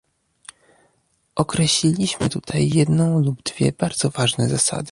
Określiliśmy tutaj jedną lub dwie bardzo ważne zasady